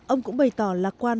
ông cũng bày tỏ lạc quan